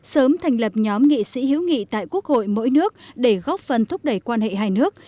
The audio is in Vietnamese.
sớm thành lập nhóm nghị sĩ hữu nghị tại quốc hội mỗi nước để góp phần thúc đẩy quan hệ hai nước